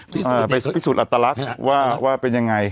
พิสูจน์อัตลักษณ์ว่าเป็นยังไง